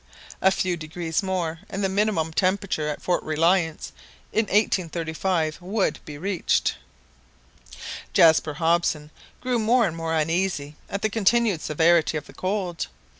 A few degrees more and the minimum temperature at Fort Reliance in 1835 would be reached! Jaspar Hobson grew more and more uneasy at the continued severity of the cold.